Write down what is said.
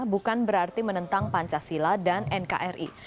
bukan berarti menentang pancasila dan nkri